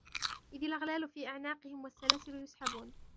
إِذِ الْأَغْلَالُ فِي أَعْنَاقِهِمْ وَالسَّلَاسِلُ يُسْحَبُونَ